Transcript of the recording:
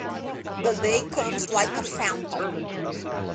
The day comes like a phantom.